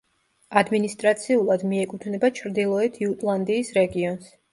ადმინისტრაციულად მიეკუთვნება ჩრდილოეთ იუტლანდიის რეგიონს.